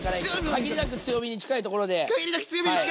限りなく強火に近いところで。